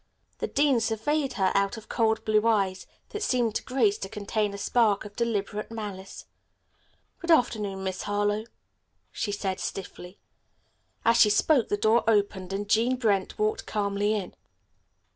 The dean surveyed her out of cold blue eyes, that seemed to Grace to contain a spark of deliberate malice. "Good afternoon, Miss Harlowe," she said stiffly. As she spoke the door opened and Jean Brent walked calmly in.